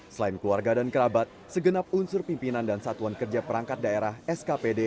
selain keluarga dan kerabat segenap unsur pimpinan dan satuan kerja perangkat daerah skpd